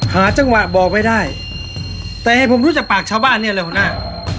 หาจังหวะบอกไม่ได้แต่ให้ผมรู้จากปากชาวบ้านเนี่ยเลยหัวหน้า